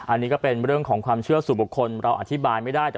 อันนี้ก็เป็นเรื่องของความเชื่อสู่บุคคลเราอธิบายไม่ได้